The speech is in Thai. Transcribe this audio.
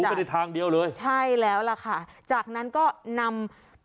ทายของเนี้ยทางเดียวเลยใช่แล้วล่ะค่ะจากนั้นก็นำ